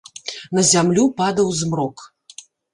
На зямлю падаў змрок.